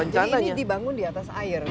jadi ini dibangun di atas air